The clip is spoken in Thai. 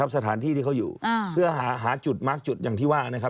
สถานที่ที่เขาอยู่เพื่อหาจุดมาร์คจุดอย่างที่ว่านะครับ